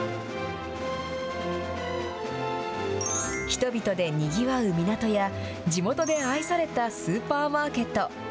人々でにぎわう港や、地元で愛されたスーパーマーケット。